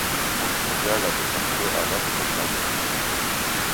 موږ په ګډه د پښتو ادب خدمت کوو.